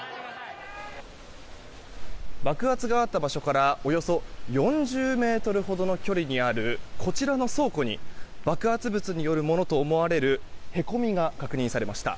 爆発があった場所からおよそ４０ｍほどの距離にあるこちらの倉庫に爆発物によるものと思われるへこみが確認されました。